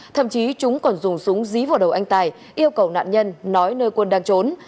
thậm chí chúng còn dùng súng dí vào đầu anh tài yêu cầu nạn nhân nói nơi quân đang trốn